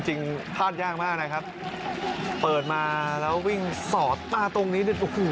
จริงพลาดยากมากนะครับเปิดมาแล้ววิ่งสอดหน้าตรงนี้